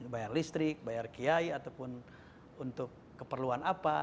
bayar listrik bayar kiai ataupun untuk keperluan apa